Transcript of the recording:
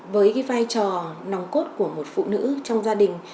với cái vai trò nòng cốt của một phụ nữ trong gia đình